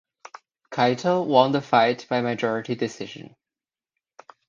Kaito won the fight by majority decision.